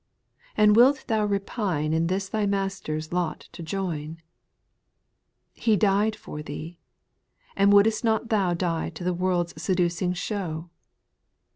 And wilt thou repine JJL In this thy Master's lot to join ? He died for thee ! And wouldst not thou Die to the world's seducing show